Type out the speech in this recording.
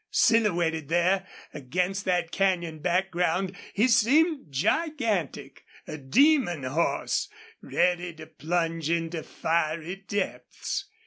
Silhouetted there against that canyon background he seemed gigantic, a demon horse, ready to plunge into fiery depths.